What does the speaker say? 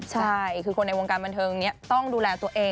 ใช่คือคนในวงการบันเทิงนี้ต้องดูแลตัวเอง